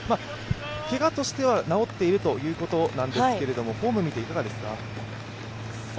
けがとしては治っているということなんですけど、フォームを見ていかがですか？